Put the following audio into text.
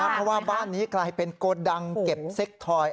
เพราะว่าบ้านนี้กลายเป็นโกดังเก็บเซ็กทอย